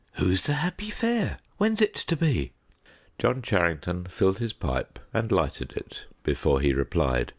"Who's the happy fair? When's it to be?" John Charrington filled his pipe and lighted it before he replied.